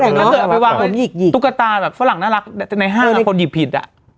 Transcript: ถ้าเกิดเอาไปวางตุ๊กกระตาฝรั่งน่ารักแต่ในห้างคนหยิบผิด